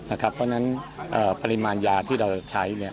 ไปด้วยนะครับเพราะฉะนั้นเอ่อปริมาณยาที่เราใช้เนี้ย